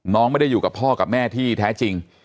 ไม่ได้อยู่กับพ่อกับแม่ที่แท้จริง